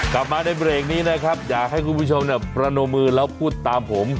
กลับมาในเบรกนี้นะครับอยากให้คุณผู้ชมประนมมือแล้วพูดตามผม